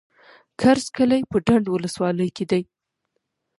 کرز کلی په ډنډ ولسوالۍ کي دی.